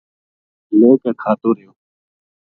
لے کے کھاتو رہیو